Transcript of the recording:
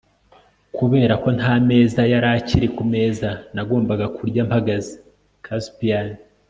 kubera ko nta meza yari akiri ku meza, nagombaga kurya mpagaze. (caspian